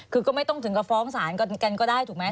คือก็ไม่ต้องถึงกับฟ้องศาลกันก็ได้ถูกไหม